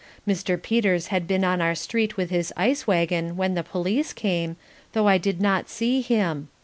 Mr. Peters had been on our street with his ice wagon when the police came, though I did not see him.